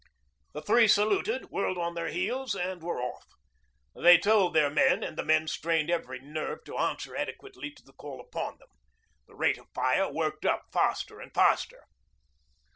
The three saluted, whirled on their heels, and were off. They told their men, and the men strained every nerve to answer adequately to the call upon them. The rate of fire worked up faster and faster.